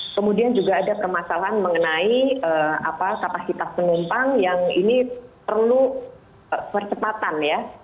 kemudian juga ada permasalahan mengenai kapasitas penumpang yang ini perlu percepatan ya